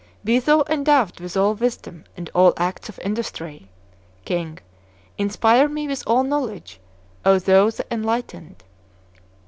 Be thou endowed with all wisdom, and all acts of industry! K. Inspire me with all knowledge, O Thou the Enlightened!